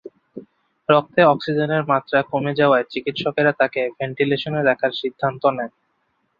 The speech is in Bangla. রক্তে অক্সিজেনের মাত্রা কমে যাওয়ায় চিকিৎসকেরা তাঁকে ভেন্টিলেশনে রাখার সিদ্ধান্ত নেন।